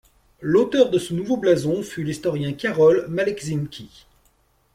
L'auteur de ce nouveau blason fut l'historien Karol Maleczyński.